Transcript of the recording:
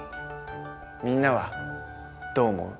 みんなはどう思う？